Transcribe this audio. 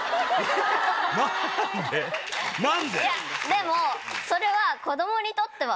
でもそれは。